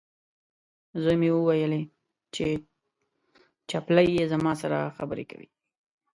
زوی مې وویلې، چې چپلۍ یې زما سره خبرې کوي.